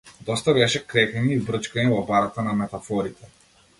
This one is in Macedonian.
Доста беше крекање и брчкање во барата на метафорите.